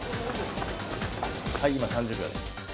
はい今３０秒です。